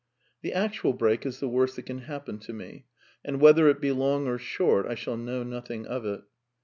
The actual break is the worst that can happen to me, and, whether it be long or short, I shall know nothing of it.